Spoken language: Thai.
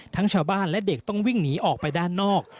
ชาวบ้านและเด็กต้องวิ่งหนีออกไปด้านนอก